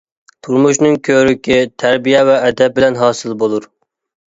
تۇرمۇشنىڭ كۆرىكى تەربىيە ۋە ئەدەپ بىلەن ھاسىل بولۇر.